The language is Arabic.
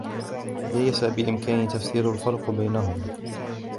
ليس بإمكاني تفسير الفرق بينهما.